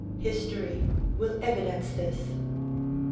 History will evidence this.